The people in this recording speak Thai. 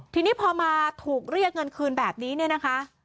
ทีนี้พอมาถูกเรียกเงินคืนแบบนี้เนี่ยนะคะ